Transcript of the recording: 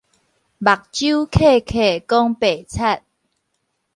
目睭瞌瞌講白賊